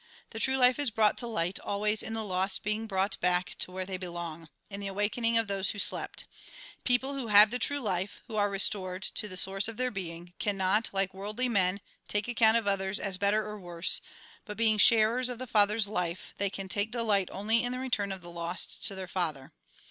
The true hfe is brought to light always in the lost being brought back to where they belong ; in the awakening of those who slept. People who have the true life, who are restored to the source of their being, cannot, like worldly men, take account of others as better or worse ; but, being sharers of the Father's life, they can take delight igS THE GOSPEL IN BRIEF only in the return of the lost to their Father.